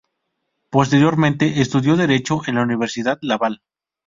Posteriormente, estudió derecho en la Universidad Laval.